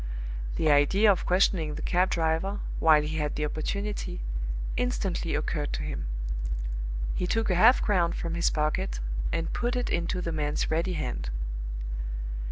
The idea of questioning the cab driver, while he had the opportunity, instantly occurred to him. He took a half crown from his pocket and put it into the man's ready hand.